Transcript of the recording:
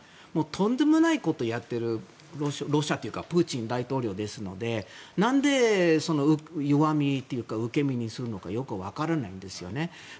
とんでもないことをやっているプーチン大統領ですので弱みというか受け身にするのかよく分からないんですよね。